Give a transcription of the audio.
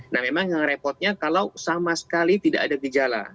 nah memang yang repotnya kalau sama sekali tidak ada gejala